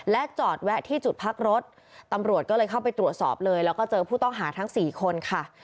จอดแวะที่จุดพักรถตำรวจก็เลยเข้าไปตรวจสอบเลยแล้วก็เจอผู้ต้องหาทั้งสี่คนค่ะ